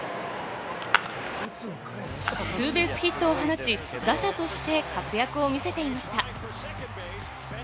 ツーベースヒットを放ち、打者として活躍を見せていました。